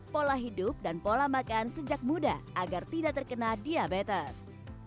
pola hidup dan pola makan sejak muda agar tidak terkena diabetes